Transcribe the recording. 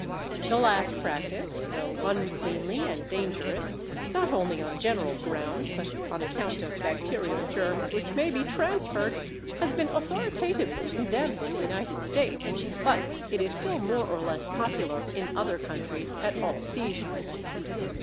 The last practice, though uncleanly and dangerous, not only on general grounds, but on account of bacterial germs which may be transferred, has been authoritatively condemned in the United States, but it is still more or less popular in other countries at all seasons.